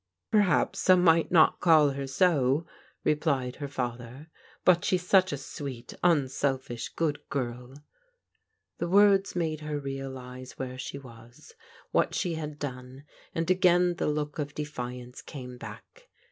"Perhaps some might not call her so," replied her father, " but she's such a sweet, tmselfish, good girl !" The words made her realize where she was, what she had done, and again the look of defiance came back.